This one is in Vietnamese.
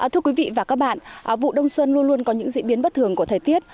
thưa quý vị và các bạn vụ đông xuân luôn luôn có những diễn biến bất thường của thời tiết